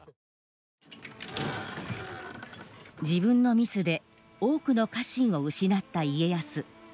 自分のミスで多くの家臣を失った家康。